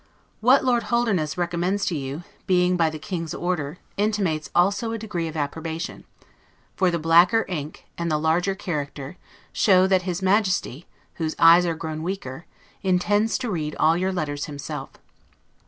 What Lord Holderness recommends to you, being by the King's order, intimates also a degree of approbation; for the BLACKER INK, AND THE LARGER CHARACTER, show, that his Majesty, whose eyes are grown weaker, intends to read all your letters himself.